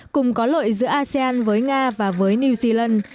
cùng có lội giữa asean với nga và với new zealand